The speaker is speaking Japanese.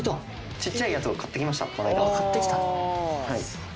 ちっちゃいやつを買ってきましたこの間。